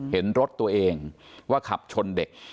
เห็นรถตัวเองว่าขับชนเด็ก